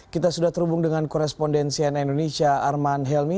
kita sudah terhubung dengan korespondensi nn indonesia arman helmi